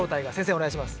お願いします。